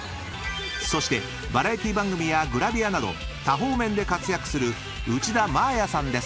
［そしてバラエティー番組やグラビアなど多方面で活躍する内田真礼さんです］